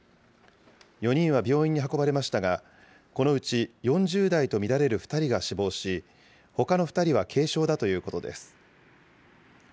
４人は病院に運ばれましたが、このうち４０代と見られる２人が死亡し、ほかの２人は軽傷だということです。